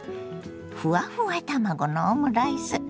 ふわふわ卵のオムライス